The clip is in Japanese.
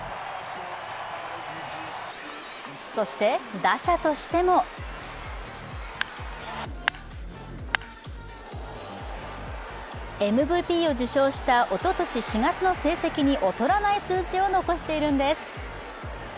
そして、打者としてもＭＶＰを受賞したおととし４月の成績に劣らない数字を残しているんです。